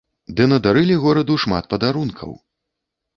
Ды надарылі гораду шмат падарункаў!